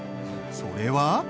それは。